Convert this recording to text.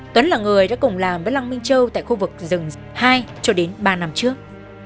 tuấn là người đã cùng làm với lăng minh châu tại khu vực rừng hai cho đến ba năm trước